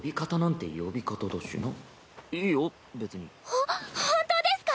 ほ本当ですか？